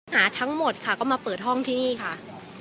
ทั้งหมดค่ะก็มาเปิดห้องที่นี่ค่ะ